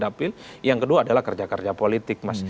dapil yang kedua adalah kerja kerja politik mas